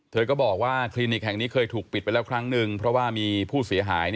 เธอก็บอกว่าคลินิกแห่งนี้เคยถูกปิดไปแล้วครั้งนึงเพราะว่ามีผู้เสียหาย